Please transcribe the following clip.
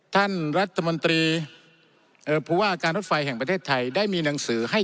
ท่านรัฐมนตรีเอ่อพุว่าการรถไฟแห่งประเทศไทย